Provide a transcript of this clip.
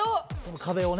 壁をね。